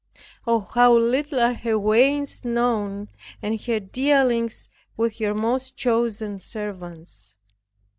Oh, how little are her ways known, and her dealings with her most chosen servants.